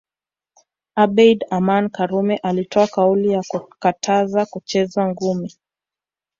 Abeid Aman Karume alitoa kauli ya kukataza kuchezwa ngumi